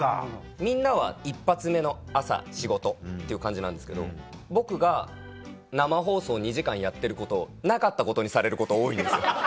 みんなは１発目の朝仕事っていう感じなんですけど僕が生放送２時間やってることをなかったことにされること多いんですよ。